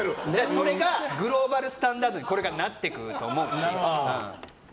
それがグローバルスタンダードにこれからなっていくんだと思うし。